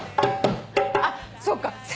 あっそっか。